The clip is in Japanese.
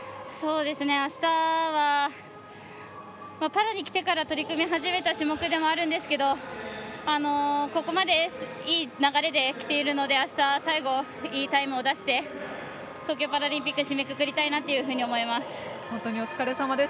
あしたは、パラにきてから取り組み始めた種目ではあるんですけどここまでいい流れできているので、あした、最後いいタイムを出して東京パラリンピック締めくくりたいなと思います。